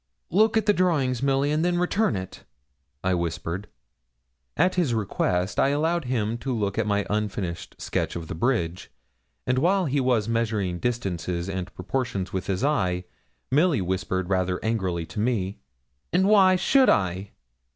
'Look at the drawings, Milly, and then return it,' I whispered. At his request I allowed him to look at my unfinished sketch of the bridge, and while he was measuring distances and proportions with his eye, Milly whispered rather angrily to me. 'And why should I?'